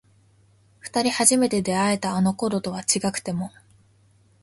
二人初めて出会えたあの頃とは違くても